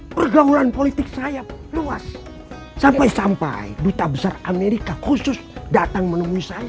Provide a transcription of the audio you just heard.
pergaulan politik saya luas sampai sampai duta besar amerika khusus datang menemui saya